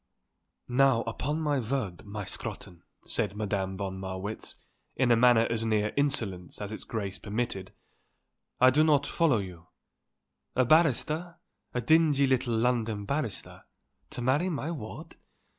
"Now upon my word, my Scrotton," said Madame von Marwitz in a manner as near insolence as its grace permitted, "I do not follow you. A barrister, a dingy little London barrister, to marry my ward?